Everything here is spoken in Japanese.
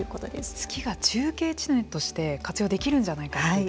月が中継地点として活用できるんじゃないかという。